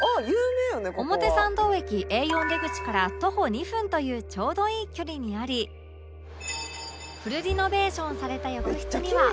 表参道駅 Ａ４ 出口から徒歩２分というちょうどいい距離にありフルリノベーションされた浴室には